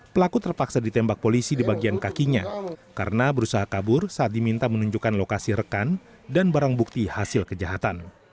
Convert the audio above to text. pelaku terpaksa ditembak polisi di bagian kakinya karena berusaha kabur saat diminta menunjukkan lokasi rekan dan barang bukti hasil kejahatan